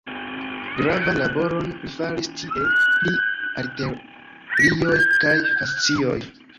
Gravan laboron li faris tie pri arterioj kaj fascioj.